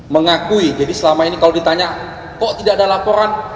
mengakui jadi selama ini kalau ditanya kok tidak ada laporan